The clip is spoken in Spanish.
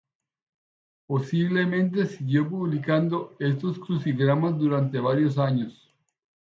Posiblemente siguió publicando estos crucigramas durante varios años.